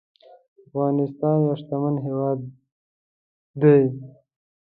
افغانستان يو شتمن هيواد دي